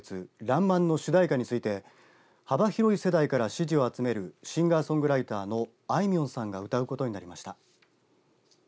らんまんの主題歌について幅広い世代から支持を集めるシンガーソングライターのあいみょんさんが歌うことになりました。